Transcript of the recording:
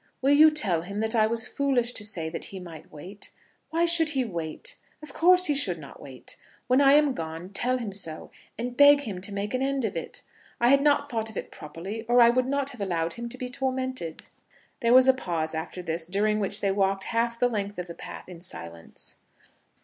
Will you tell him that I was foolish to say that he might wait? Why should he wait? Of course he should not wait. When I am gone, tell him so, and beg him to make an end of it. I had not thought of it properly, or I would not have allowed him to be tormented." There was a pause after this, during which they walked half the length of the path in silence.